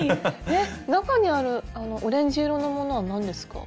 中にあるオレンジ色のものは何ですか？